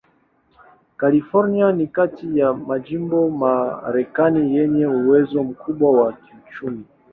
California ni kati ya majimbo ya Marekani yenye uwezo mkubwa wa kiuchumi.